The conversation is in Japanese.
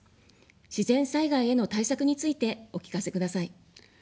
自然災害への対策についてお聞かせください。